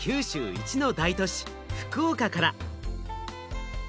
一の大都市福岡から。